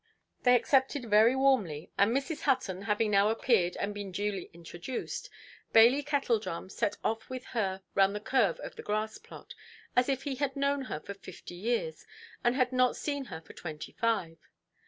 They accepted very warmly; and Mrs. Hutton, having now appeared and been duly introduced, Bailey Kettledrum set off with her round the curve of the grass–plot, as if he had known her for fifty years, and had not seen her for twenty–five.